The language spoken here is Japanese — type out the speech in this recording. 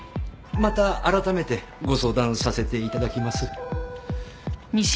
またあらためてご相談させていただきます。